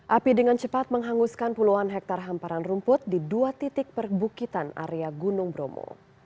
api dengan cepat menghanguskan puluhan hektare hamparan rumput di dua titik perbukitan area gunung bromo